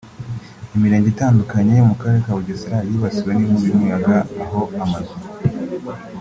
Imirenge itandukanye yo mu karere ka Bugesera yibasiwe n’inkubi y’umuyaga aho amazu